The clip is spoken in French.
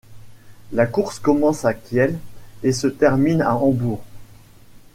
La course commence à Kiel et se termine à Hambourg.